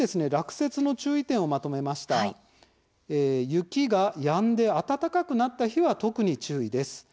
雪がやんで暖かくなった日は特に注意です。